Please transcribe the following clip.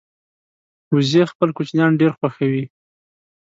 وزې خپل کوچنیان ډېر خوښوي